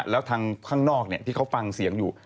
แล้วทางข้างนอกที่เขาฟังเสียงอยู่